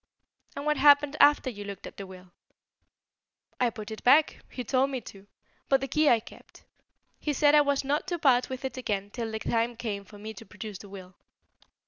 "And what happened after you looked at the will?" "I put it back. He told me to. But the key I kept. He said I was not to part with it again till the time came for me to produce the will."